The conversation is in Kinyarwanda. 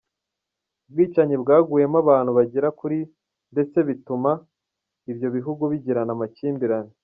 Ubwicanyi bwaguyemo abantu bagera kuri ndetse bituma ibyo bihugu bigirana amakimbirane.